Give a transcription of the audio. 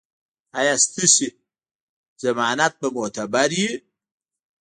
ایا ستاسو ضمانت به معتبر وي؟